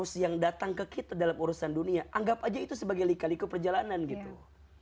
yang datang ke kita dalam urusan dunia anggap aja itu sebagai lika liku perjalanan gitu